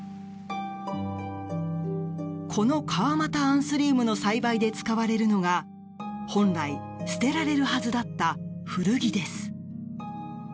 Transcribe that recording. このかわまたアンスリウムの栽培で使われるのが本来、捨てられるはずだった古着です。